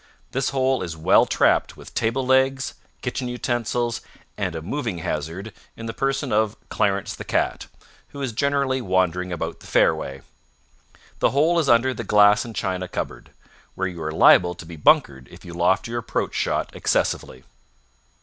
This hole is well trapped with table legs, kitchen utensils, and a moving hazard in the person of Clarence the cat, who is generally wandering about the fairway. The hole is under the glass and china cupboard, where you are liable to be bunkered if you loft your approach shot excessively.